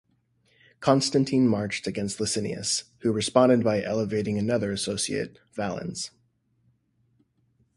Constantine marched against Licinius, who responded by elevating another associate, Valens.